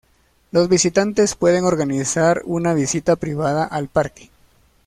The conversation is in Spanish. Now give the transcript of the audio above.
Los visitantes pueden organizar una visita privada al parque.